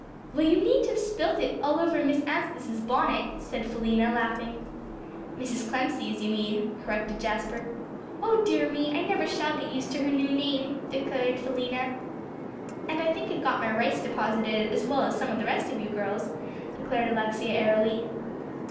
"Well, you needn't have spilt it all over Miss Anstice's bonnet," said Philena, laughing. "Mrs. Clemcy's, you mean," corrected Jasper. "Oh dear me! I never shall get used to her new name," declared Philena. "And I think I got my rice deposited as well as some of the rest of you girls," declared Alexia airily.